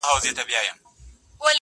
خو د کلي دننه درد لا هم ژوندی دی.